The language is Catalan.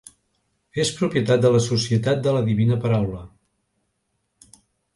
És propietat de la Societat de la Divina Paraula.